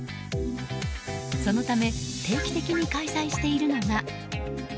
そのため定期的に開催しているのが。